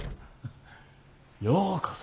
ようこそ。